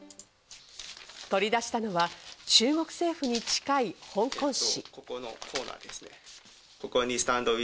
取り出したのは中国政府に近い香港紙。